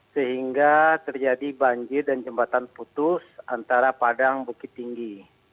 sehingga terjadi banjir dan jembatan putus antara padang bukit tinggi